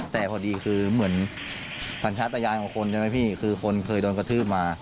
แต่พอดีคือเหมือนสัญชาติยานของคนใช่ไหมพี่คือคนเคยโดนกระทืบมา